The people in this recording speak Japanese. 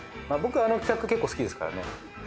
僕あの企画結構好きですからね。